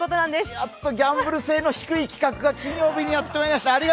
やっとギャンブル性の低い企画が金曜日にやってきました。